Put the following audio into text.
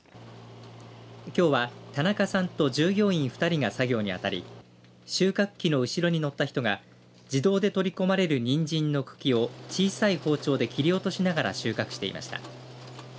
きょうは、田中さんと従業員２人が作業にあたり収穫機の後ろに乗った人が自動で取り込まれるにんじんの茎を小さい包丁で切り落としながら収穫していました。